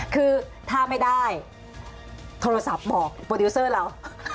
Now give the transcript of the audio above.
คือถ้าไม่ได้โทรศัพท์บอกโปรดิวเซอร์เรา